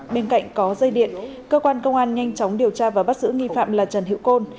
bên cạnh có dây điện cơ quan công an nhanh chóng điều tra và bắt giữ nghi phạm là trần hữu côn